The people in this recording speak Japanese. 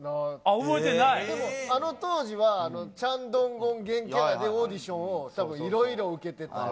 でも、あの当時は、チャンドンゴンゲンキャラでオーディションを、たぶん、色々受けてた。